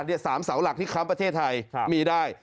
๓เสาหลักที่ค้ำประเทศไทยมีได้